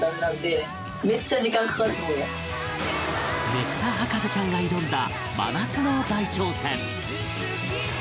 ねぷた博士ちゃんが挑んだ真夏の大挑戦